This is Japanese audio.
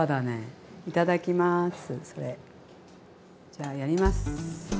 じゃあやります！